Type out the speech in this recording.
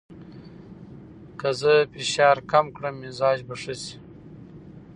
که زه فشار کم کړم، مزاج به ښه شي.